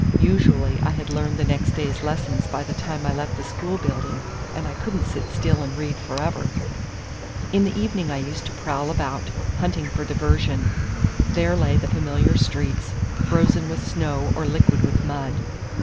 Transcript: Usually I had learned next day's lessons by the time I left the school building, and I could n't sit still and read forever. In the evening I used to prowl about, hunting for diversion. There lay the familiar streets, frozen with snow or liquid with mud.